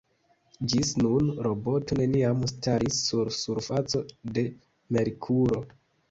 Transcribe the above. Ĝis nun, roboto neniam staris sur surfaco de Merkuro.